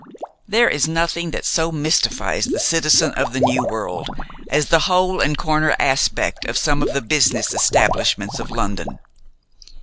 There is nothing that so mystifies the citizen of the New World as the hole and corner aspect of some of the business establishments of London.